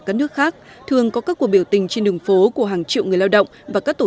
các nước khác thường có các cuộc biểu tình trên đường phố của hàng triệu người lao động và các tổ